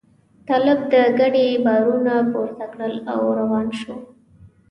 طالب د کډې بارونه پورته کړل او روان شو.